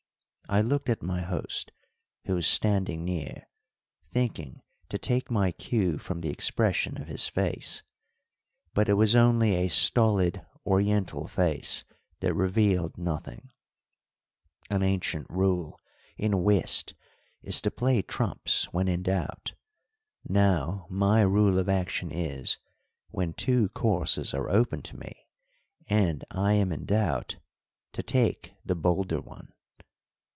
I looked at my host, who was standing near, thinking to take my cue from the expression of his face; but it was only a stolid Oriental face that revealed nothing. An ancient rule in whist is to play trumps when in doubt; now my rule of action is, when two courses are open to me and I am in doubt, to take the bolder one.